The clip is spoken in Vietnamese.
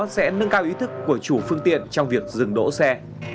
giải pháp của chủ phương tiện trong việc dừng đỗ xe